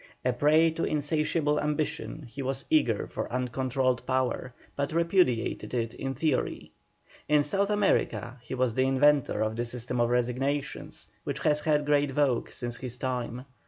A prey to insatiable ambition he was eager for uncontrolled power, but repudiated it in theory. In South America he was the inventor of the system of resignations, which has had great vogue since his time.